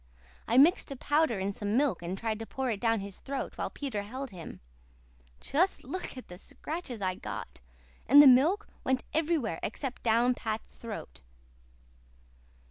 I mixed a powder in some milk and tried to pour it down his throat while Peter held him. Just look at the scratches I got! And the milk went everywhere except down Pat's throat."